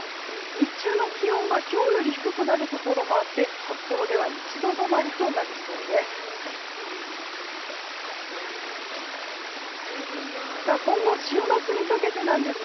日中の気温は今日より低くなるところもあって札幌では１度止まりとなりそうです。